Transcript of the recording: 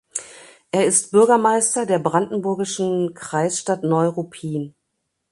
Er ist Bürgermeister der brandenburgischen Kreisstadt Neuruppin.